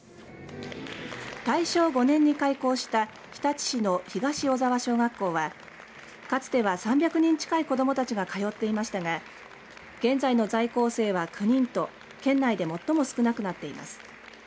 大正５年に開校した日立市の東小沢小学校はかつては３００人近い子どもたちが通っていましたが現在の在校生は９人と県内で最も少なくなっています。